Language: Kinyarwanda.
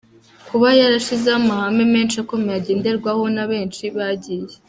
kuba yarashyizeho amahame menshi akomeye agenderwaho na benshi bagiye.